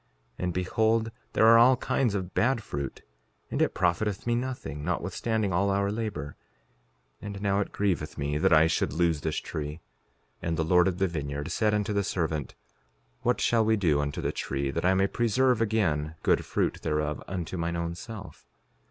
And behold, there are all kinds of bad fruit; and it profiteth me nothing, notwithstanding all our labor; and now it grieveth me that I should lose this tree. 5:33 And the Lord of the vineyard said unto the servant: What shall we do unto the tree, that I may preserve again good fruit thereof unto mine own self?